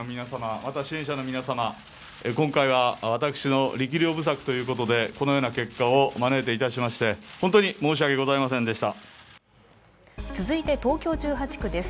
また支援者の皆様、今回は私の力不足ということでこのような結果を招いてしまいまして本当に申し訳ございませんでした。